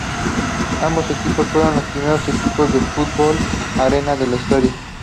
Ambos equipos fueron los primeros equipos de football arena de la historia.